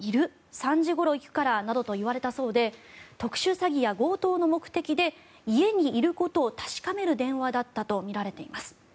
３時ごろ行くからなどと言われたそうですが特殊詐欺や強盗の目的で家にいることを確かめる電話だったとみられています。